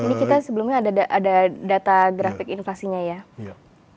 ini kita sebelumnya ada data grafik inflasinya ya